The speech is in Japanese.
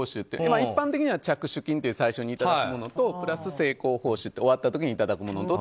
一般的には着手金という最初にいただくものとプラス成功報酬って終わった時にいただくものと。